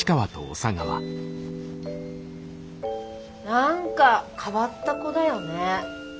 何か変わった子だよね。